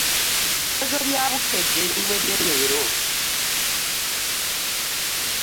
Ebigezo bya Bukedde biwedde leero.